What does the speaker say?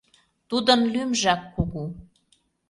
Тудын лӱмжак кугу.